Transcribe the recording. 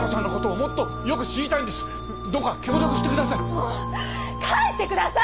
もう帰ってください！